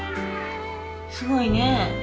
すごいね。